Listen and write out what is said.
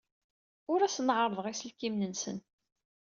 Ur asen-ɛerrḍeɣ iselkimen-nsen.